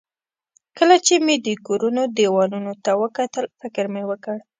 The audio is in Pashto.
کله چې مې د کورونو دېوالونو ته وکتل، فکر مې وکړ.